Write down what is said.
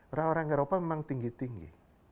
padahal orang eropa memang tinggi tinggi